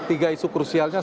tiga isu krusialnya